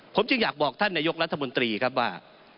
ผมจึงอยากบอกท่านนายกรัฐมนตรีครับว่า